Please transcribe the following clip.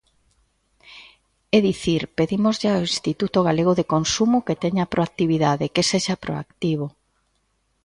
É dicir, pedímoslle ao Instituto Galego de Consumo que teña proactividade, que sexa proactivo.